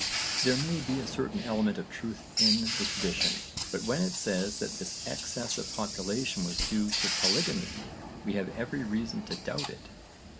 There may be a certain element of truth in the tradition but when it says that this excess of population was due to polygamy we have every reason to doubt it.